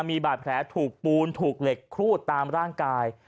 มีบาดแผลถูกปูนถูกเหล็กครูดตามร่างกาย